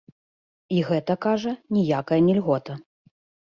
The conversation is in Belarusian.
І гэта, кажа, ніякая не льгота.